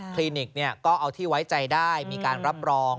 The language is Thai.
ลินิกก็เอาที่ไว้ใจได้มีการรับรอง